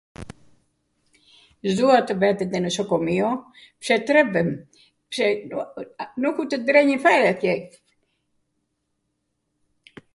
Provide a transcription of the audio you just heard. z'dua tw vete ndw nosokomio pse trembem, pse nukw tw drenjwn fare atje.